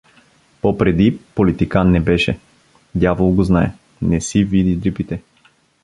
По-преди политикан не беше… Дявол го знае: не си види дрипите!